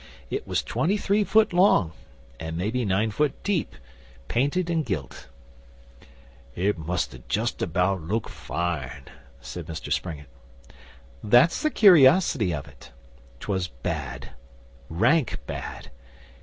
It was twenty three foot long, and maybe nine foot deep painted and gilt.' It must ha' justabout looked fine,' said Mr Springett. 'That's the curiosity of it. 'Twas bad rank bad.